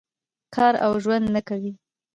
کار او ژوند نه کوي.